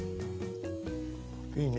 いいね。